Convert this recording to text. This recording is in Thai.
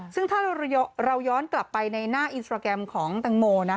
ซึ่งถ้าเราย้อนกลับไปในหน้าอินสตราแกรมของตังโมนะ